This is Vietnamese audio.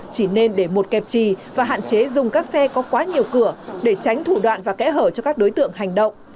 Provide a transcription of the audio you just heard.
chỉ nên để một kẹp trì và hạn chế dùng các xe có quá nhiều cửa để tránh thủ đoạn và kẽ hở cho các đối tượng hành động